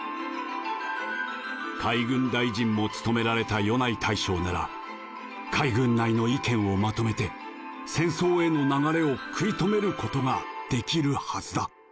海軍大臣も務められた米内大将なら海軍内の意見をまとめて戦争への流れを食い止めることができるはずだ。